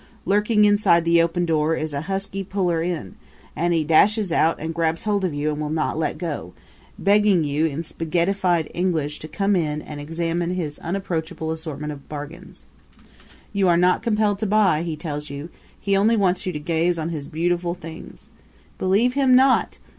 Lurking inside the open door is a husky puller in; and he dashes out and grabs hold of you and will not let go, begging you in spaghettified English to come in and examine his unapproachable assortment of bargains. You are not compelled to buy, he tells you; he only wants you to gaze on his beautiful things. Believe him not!